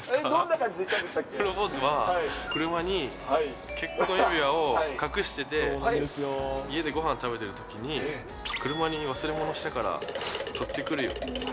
プロポーズは車に結婚指輪を隠してて、家でごはん食べてるときに、車に忘れ物したから、取ってくるよって。